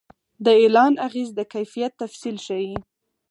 د اعلان اغېز د کیفیت تفصیل ښيي.